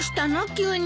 急に。